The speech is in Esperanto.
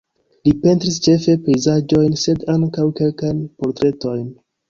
Li pentris ĉefe pejzaĝojn sed ankaŭ kelkajn portretojn.